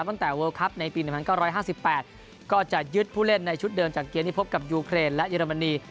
ตั้งแต่เวิลคลัพธ์ในปีหนึ่งหน้าห้าร้อยห้าสิบแปดก็จะยึดผู้เล่นในชุดเดิมจากเกียรติที่พบกับยูเครนและเยอรมนี